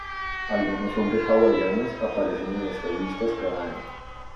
Algunos nombres hawaianos aparecen en estas listas cada año.